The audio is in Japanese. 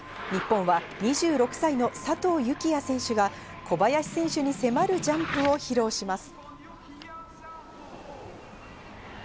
日本は２６歳の佐藤幸椰選手が小林選手に迫るジャンプを披露します。